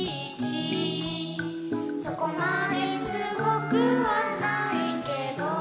「そこまですごくはないけど」